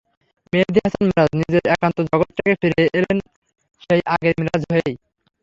মেহেদী হাসান মিরাজ নিজের একান্ত জগৎটায় ফিরে এলেন সেই আগের মিরাজ হয়েই।